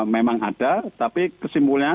memang ada tapi kesimpulannya